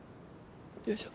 よいしょ。